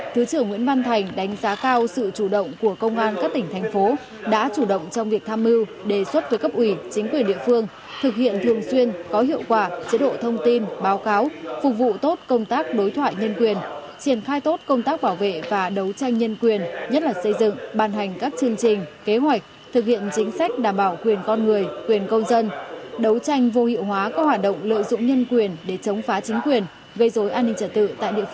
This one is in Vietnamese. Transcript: thứ trưởng nguyễn văn thành đánh giá cao sự chủ động của công an các tỉnh thành phố đã chủ động trong việc tham mưu đề xuất với cấp ủy chính quyền địa phương thực hiện thường xuyên có hiệu quả chế độ thông tin báo cáo phục vụ tốt công tác đối thoại nhân quyền triển khai tốt công tác bảo vệ và đấu tranh nhân quyền nhất là xây dựng bàn hành các chương trình kế hoạch thực hiện chính sách đảm bảo quyền con người quyền công dân đấu tranh vô hiệu hóa các hoạt động lợi dụng nhân quyền để chống phá chính quyền gây dối an ninh trả tự tại địa